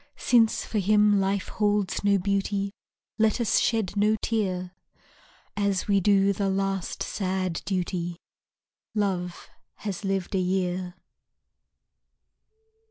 Since for him life holds no beauty Let us shed no tear, As we do the last sad duty Love has lived a year.